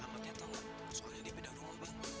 alamatnya tau suaranya di beda rumah bang